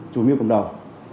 chủ mưu cầm đầu